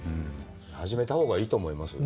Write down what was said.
始めた方がいいと思いますよ。